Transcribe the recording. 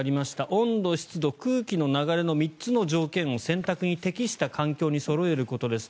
温度、湿度、空気の流れの３つの条件を洗濯に適した環境にそろえることです。